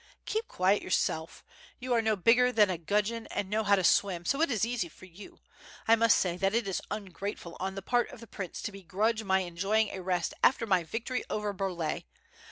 ''Keep quiet yourself, you are no bigger than a gudgeon and know how to swim, so it is easy for you. I must say that it is ungrateful on the part of the prince to begrudge my enjoying a rest after my victory over Burlay.